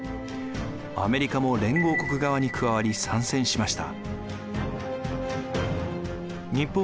アメリカも連合国側に加わり参戦しました。